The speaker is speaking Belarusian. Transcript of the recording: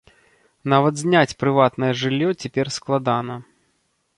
Нават зняць прыватнае жыллё цяпер складана.